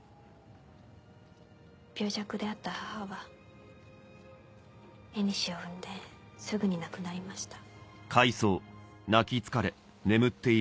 病弱であった母は縁を産んですぐに亡くなりました。